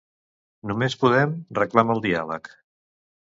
Només Podem reclama el diàleg.